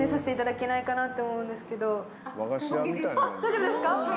あっ大丈夫ですか？